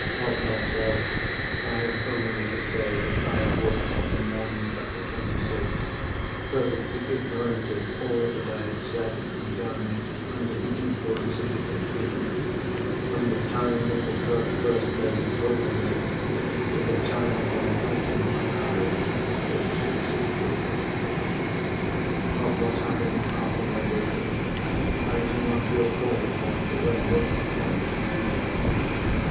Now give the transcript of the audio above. Of myself, I have only to say that I awoke on the morning of the twenty sixth, perfectly ignorant of all that I had said and done under the influence of the opium—from the time when the drug first laid its hold on me, to the time when I opened my eyes, in Rachel's sitting room. Of what happened after my waking, I do not feel called upon to render an account in detail.